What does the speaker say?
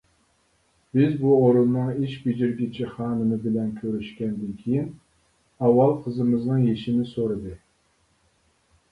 بىز بۇ ئورۇننىڭ ئىش بېجىرگۈچى خانىمى بىلەن كۆرۈشكەندىن كېيىن ئاۋۋال قىزىمىزنىڭ يېشىنى سورىدى.